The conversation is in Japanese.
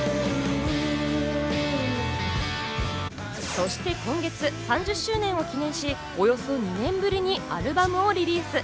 そして今月３０周年を記念し、およそ２年ぶりにアルバムをリリース。